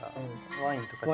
ワインとか。